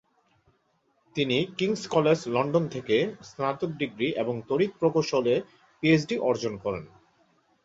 তিনি King's College London থেকে স্নাতক ডিগ্রি এবং তড়িৎ প্রকৌশলে পিএইচডি অর্জন করেন।